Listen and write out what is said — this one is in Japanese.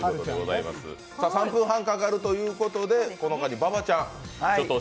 ３分半かかるということで、この間に馬場ちゃん！